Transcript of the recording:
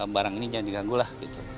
barang ini jangan diganggu lah gitu